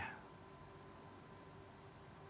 proses tender itu dilangsungkan